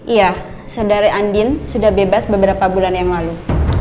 iya saudara andin sudah bebas beberapa bulan yang lalu